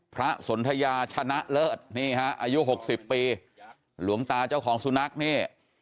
สนทยาชนะเลิศนี่ฮะอายุ๖๐ปีหลวงตาเจ้าของสุนัขนี่